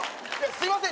すいません。